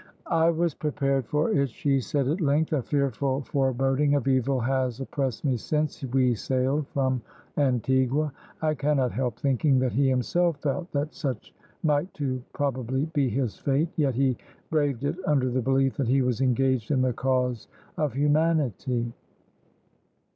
"I was prepared for it," she said, at length. "A fearful foreboding of evil has oppressed me since we sailed from Antigua. I cannot help thinking that he himself felt that such might too probably be his fate, yet he braved it under the belief that he was engaged in the cause of humanity."